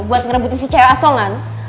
buat ngerebutin si cewek asongan